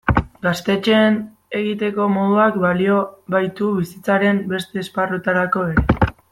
Gaztetxeen egiteko moduak balio baitu bizitzaren beste esparruetarako ere.